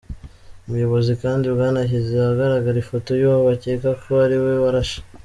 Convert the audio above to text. Ubuyobozi kandi bwanashyize ahagaragara ifoto y’uwo bakeka ko ari we warashe.